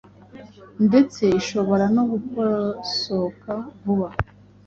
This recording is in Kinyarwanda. ndetse ishobora no gukosoka vuba